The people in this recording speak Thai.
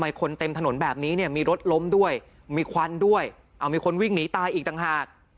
คนเต็มถนนแบบนี้เนี่ยมีรถล้มด้วยมีควันด้วยเอามีคนวิ่งหนีตายอีกต่างหาก